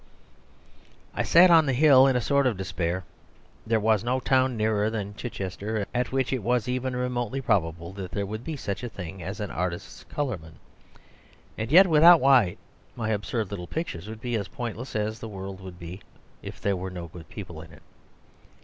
..... I sat on the hill in a sort of despair. There was no town nearer than Chichester at which it was even remotely probable that there would be such a thing as an artist's colourman. And yet, without white, my absurd little pictures would be as pointless as the world would be if there were no good people in it.